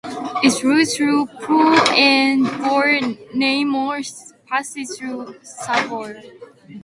Its route through Poole and Bournemouth passes through suburbs.